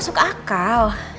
kalau kamu mau baca kamu harus baca